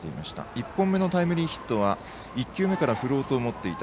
１本目のタイムリーヒットは１球目から振ろうと思っていた。